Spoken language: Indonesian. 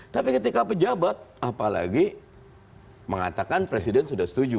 tapi ketika pejabat apalagi mengatakan presiden sudah setuju